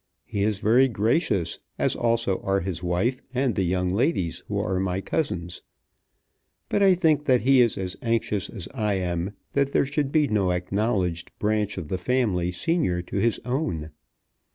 He is very gracious, as also are his wife and the young ladies who are my cousins; but I think that he is as anxious as I am that there should be no acknowledged branch of the family senior to his own.